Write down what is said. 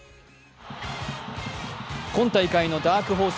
今大会のダークホース